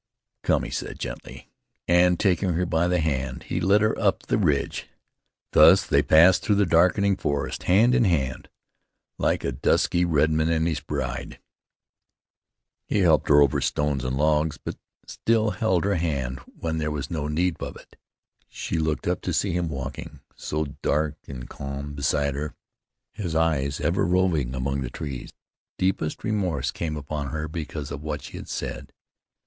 "Come," he said gently, and, taking her by the hand, he led her up the ridge. Thus they passed through the darkening forest, hand in hand, like a dusky redman and his bride. He helped her over stones and logs, but still held her hand when there was no need of it. She looked up to see him walking, so dark and calm beside her, his eyes ever roving among the trees. Deepest remorse came upon her because of what she had said.